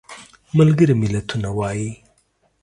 ملګري ملتونه وایي.